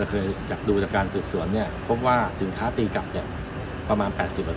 เราเคยจากดูจากการสืบสวนเนี่ยพบว่าสินค้าตีกลับเนี่ยประมาณ๘๐